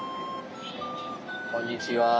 こんにちは。